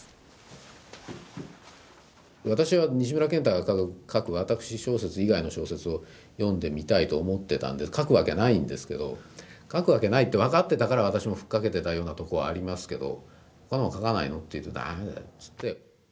私は西村賢太が書く私小説以外の小説を読んでみたいと思ってたんで書くわけないんですけど書くわけないって分かってたから私もふっかけてたようなとこはありますけど。